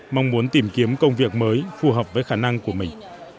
mong muốn tìm kiếm công việc mới phù hợp với khả năng của mình